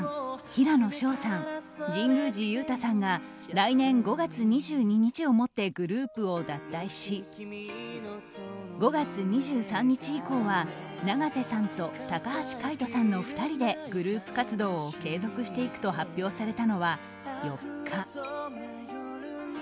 平野紫耀さん、神宮寺勇太さんが来年５月２２日をもってグループを脱退し５月２３日以降は永瀬さんと高橋海人さんの２人でグループ活動を継続していくと発表されたのは４日。